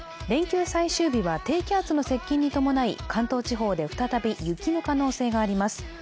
連休最終日は低気圧の接近に伴い関東地方で再び雪の可能性があります。